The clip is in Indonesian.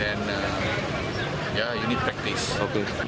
dan ya anda perlu berlatih